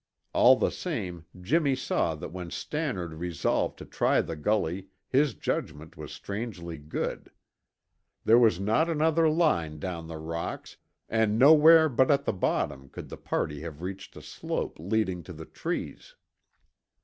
All the same, Jimmy saw that when Stannard resolved to try the gully his judgment was strangely good. There was not another line down the rocks and nowhere but at the bottom could the party have reached a slope leading to the trees.